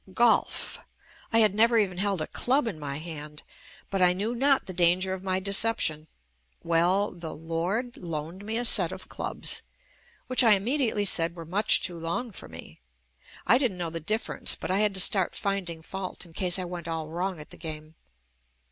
Golf! I had never even held a club in my hand, but I knew not the danger of my decep tion. Well, the "lord" loaned me a set of clubs, which I immediately said were much too long for me. I didn't know the difference but I had to start finding fault in case I went all wrong at the game.